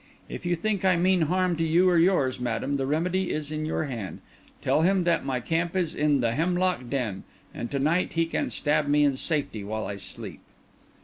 If you think I mean harm to you or yours, madam, the remedy is in your hand. Tell him that my camp is in the Hemlock Den, and to night he can stab me in safety while I sleep."